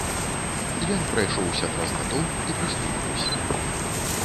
Ён прайшоўся праз натоўп і прыслухаўся.